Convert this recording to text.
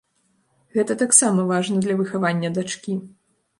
Гэта таксама важна для выхавання дачкі.